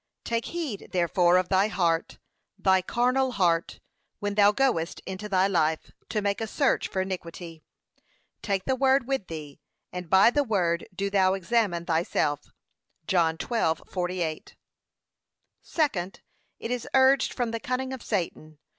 Take heed, therefore, of thy heart, thy carnal heart, when thou goest into thy life, to make a search for iniquity. Take the Word with thee, and by the Word do thou examine thyself. (John 12:48) Second, It is urged from the cunning of Satan.